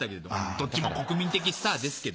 どっちも国民的スターですけどね。